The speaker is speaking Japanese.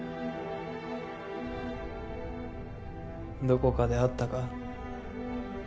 どこかで会ったか？